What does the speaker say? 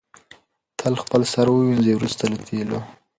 تل خپل سر ووینځئ وروسته له تېلو.